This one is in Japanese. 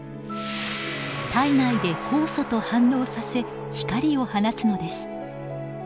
体内で酵素と反応させ光を放つのです。